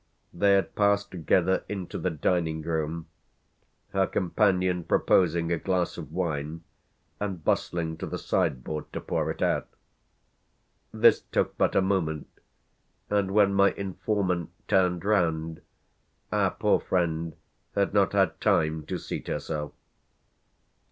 They had passed together into the dining room, her companion proposing a glass of wine and bustling to the sideboard to pour it out. This took but a moment, and when my informant turned round our poor friend had not had time to seat herself.